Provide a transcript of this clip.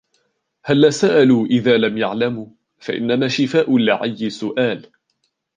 هَلَّا سَأَلُوا إذَا لَمْ يَعْلَمُوا فَإِنَّمَا شِفَاءُ الْعِيِّ السُّؤَالُ